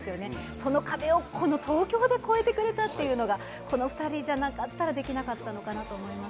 その壁を東京で越えてくれたのがこの２人じゃなかったら、できなかったのかなと思います。